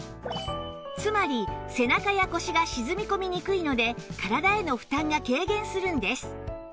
つまり背中や腰が沈み込みにくいので体への負担が軽減するんです